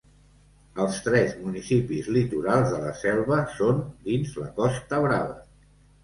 Els tres municipis litorals de la Selva són dins la Costa Brava.